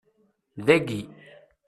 Dagi.